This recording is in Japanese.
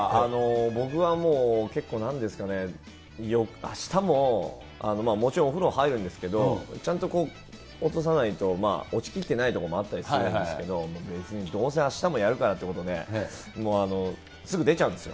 僕はもう、結構なんですかね、あしたも、もちろんお風呂入るんですけど、ちゃんと落とさないと、落ちきってないところもあったりとかするんですけど、別にどうせあしたもやるからということで、もうすぐ出ちゃうんですよ。